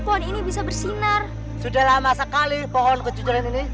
kau tidak bisa menemukan pohon kejujuran itu